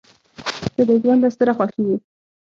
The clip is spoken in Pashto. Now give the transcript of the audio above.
• ته د ژونده ستره خوښي یې.